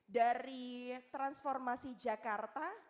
dari transformasi jakarta